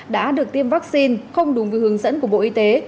đã được tiêm vaccine không đúng với hướng dẫn của bộ y tế